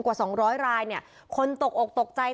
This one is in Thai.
กว่า๒๐๐รายคนตกออกตกใจ